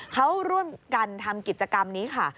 เขาร่วมกันทำกิจกรรมนี้ค่ะ